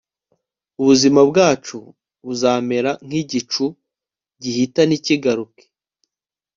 ubuzima bwacu buzamera nk'igicu gihita ntikigaruke